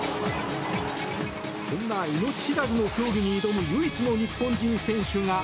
そんな命知らずの競技に挑む唯一の日本人選手が。